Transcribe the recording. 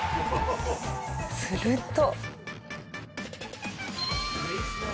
すると。